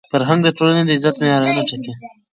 فرهنګ د ټولني د عزت معیارونه ټاکي.